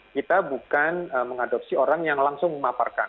kita bukan mengadopsi orang yang langsung memaparkan